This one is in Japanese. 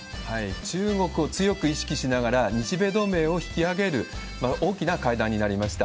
中国を強く意識しながら、日米同盟を引き上げる、大きな会談になりました。